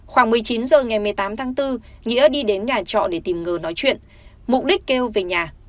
khoảng một mươi chín h ngày một mươi tám tháng bốn nghĩa đi đến nhà trọ để tìm ngờ nói chuyện mục đích kêu về nhà